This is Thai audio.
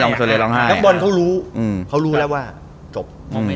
น้องบอลเขารู้แล้วว่าจบ